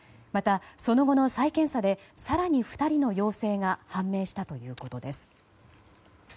また、その後の再検査で更に２人の陽性が判明したということです。